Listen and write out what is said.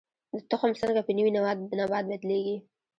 تخم څنګه په نوي نبات بدلیږي؟